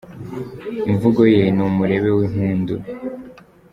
Imvugo ye ni umurebe w’impundu